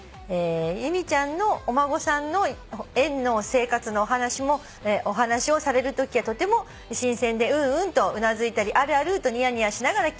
「由美ちゃんのお孫さんの園の生活のお話をされるときはとても新鮮で『うんうん』とうなずいたり『あるある』とニヤニヤしながら聞いております」